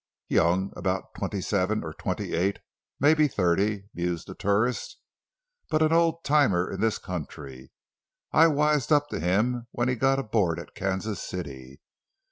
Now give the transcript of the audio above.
"Young—about twenty seven or twenty eight—maybe thirty," mused the tourist; "but an old timer in this country. I wised up to him when he got aboard at Kansas City.